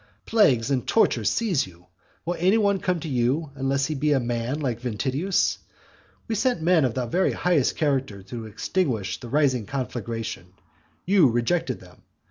Plagues and tortures seize you! Will any one come to you, unless he be a man like Ventidius? We sent men of the very highest character to extinguish the rising conflagration; you rejected them.